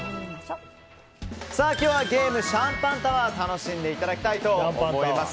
今日はゲーム・シャンパンタワー楽しんでいただきたいと思います。